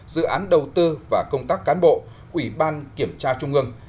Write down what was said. dự án đầu tư và công tác cán bộ ủy ban kiểm tra trung ương